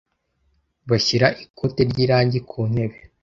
Bashyira ikote ryirangi ku ntebe.